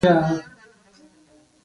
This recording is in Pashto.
هغه استازی بریالی نه شو.